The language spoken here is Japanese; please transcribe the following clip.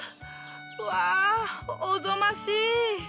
うわおぞましい！